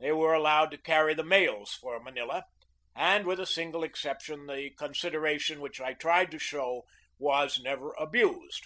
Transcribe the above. They were al AFTER THE BATTLE 237 lowed to carry the mails for Manila, and, with a single exception, the consideration which I tried to show was never abused.